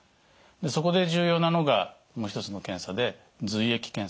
そこで重要なのがもう一つの検査で髄液検査です。